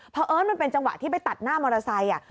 เพราะเอิ้นมันเป็นจังหวะที่ไปตัดหน้ามอเตอร์ไซค์